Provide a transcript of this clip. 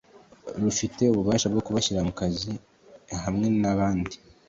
rufite ububasha bwo kubashyira mu kazi hamwe n andi